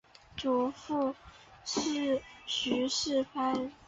祖父许士蕃。